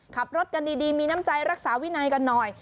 ขับรถกันดีมีน้ำใจรักษาวินัยกันหน่อย